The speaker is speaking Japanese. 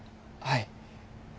はい。